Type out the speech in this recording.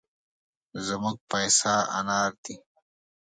زموږ پيسه انار دي.